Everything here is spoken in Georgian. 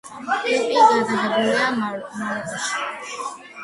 კლიპი გადაღებულია მაროკოში.